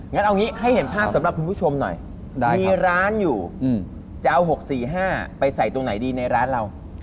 งั้นเอางี้ให้เห็นภาพสำหรับคุณผู้ชมหน่อยมีร้านอยู่จะเอา๖๔๕ไปใส่ตรงไหนดีในร้านเรา